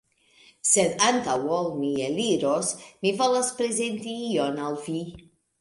Sed antaŭ ol mi eliros, mi volas prezenti ion al vi